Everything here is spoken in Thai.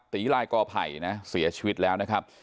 ตีลายกอไผ่นะเสียชีวิตแล้วนะครับ